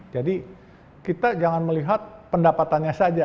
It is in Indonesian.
jadi kita jangan melihat pendapatannya saja